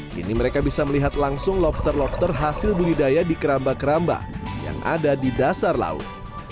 kini mereka bisa melihat langsung lobster lobster hasil budidaya di keramba keramba yang ada di dasar laut